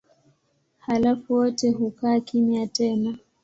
Halafu wote hukaa kimya tena.